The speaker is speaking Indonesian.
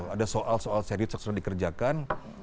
ada soal soal serius yang sudah dikerjakan